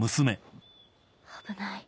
危ない。